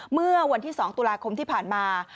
เมื่อวันที่๒ตุลาคมที่ผ่านมา